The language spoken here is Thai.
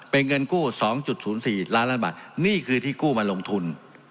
เป็นเงินกู้๒๐๔ล้านล้านบาทนี่คือที่กู้มาลงทุน